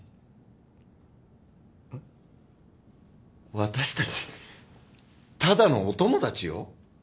私たちただのお友達よ。